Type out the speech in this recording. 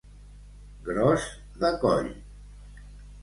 Gros de coll.